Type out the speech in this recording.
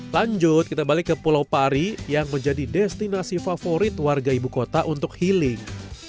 lanjut kita balik ke pulau pari yang menjadi destinasi favorit warga ibu kota untuk healing